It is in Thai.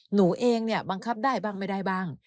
หนูเองเนี่ยบังคับได้บ้างไม่ได้บ้าง